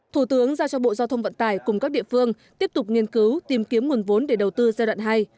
thủ tướng giao cho bộ giao thông vận tải cùng các địa phương tiếp tục nghiên cứu tìm kiếm nguồn vốn để đầu tư giai đoạn hai